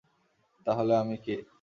তাহলে আমি কে?